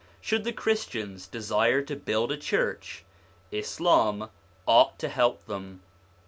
Should the Christians desire to build a church, Islam ought to help them.